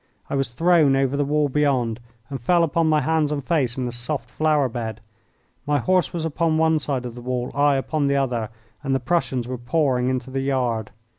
I was thrown over the wall beyond, and fell upon my hands and face in a soft flower bed. My horse was upon one side of the wall, I upon the other, and the Prussians were pouring into the yard.